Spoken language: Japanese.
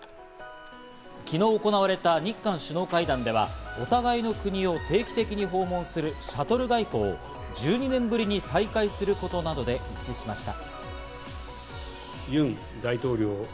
昨日行われた日韓首脳会談では、お互いの国を定期的に訪問するシャトル外交を１２年ぶりに再開することなどで一致しました。